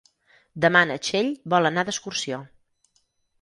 Demà na Txell vol anar d'excursió.